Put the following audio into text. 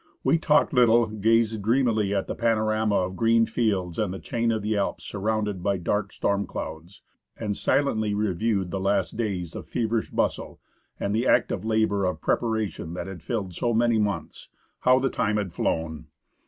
We talked little, gazed dreamily at the panorama of green fields and the chain of the Alps shrouded by dark storm clouds, and silently reviewed the last days of feverish bustle, and the active labour of preparation that had filled so many months. How the time had flown